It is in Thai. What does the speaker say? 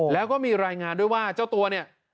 แล้วก็มีรายงานด้วยว่าเจ้าตัวเนี่ย